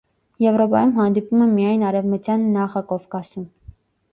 Եվրոպայում հանդիպում է միայն արևմտյան նախակովկասում։